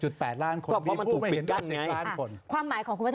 ก็เพราะมันถูกปิดกั้นไงความหมายของคุณพัฒนาคือ